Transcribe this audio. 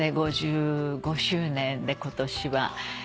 ５５周年で今年は。